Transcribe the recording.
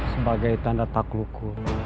sebagai tanda taklukku